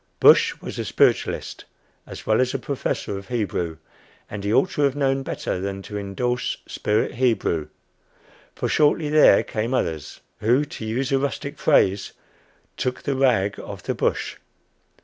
Bush was a spiritualist as well as a professor of Hebrew, and he ought to have known better than to indorse spirit Hebrew; for shortly there came others, who, to use a rustic phrase, "took the rag off the Bush."